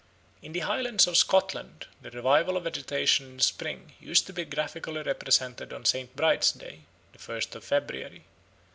In the Highlands of Scotland the revival of vegetation in spring used to be graphically represented on St. Bride's Day, the first of February.